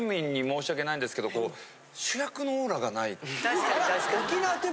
確かに確かに。